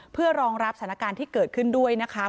เพื่อรองรับสถานการณ์ที่เกิดขึ้นด้วยนะคะ